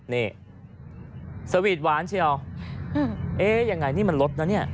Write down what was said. นี่สวีทหวานเชียวเอ๊ยังไงนี่มันลดนะเนี่ย